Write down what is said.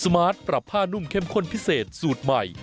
มาร์ทปรับผ้านุ่มเข้มข้นพิเศษสูตรใหม่